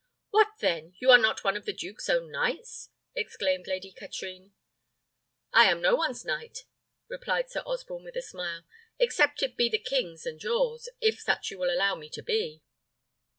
"What, then! you are not one of the duke's own knights?" exclaimed Lady Katrine. "I am no one's knight," replied Sir Osborne with a smile, "except it be the king's and yours, if such you will allow me to be."